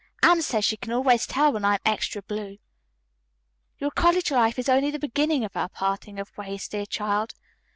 Anne says she can always tell when I am extra blue." "Your college life is only the beginning of our parting of ways, dear child.